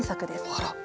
あら！